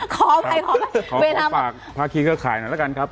ขอไปเวลามาขอฝากภาคีเกอร์ข่ายหน่อยละกันครับ